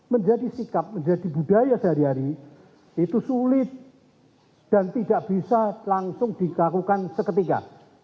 menjadi sikap menjadi budaya sehari hari itu sulit dan tidak bisa langsung dikakukan seketika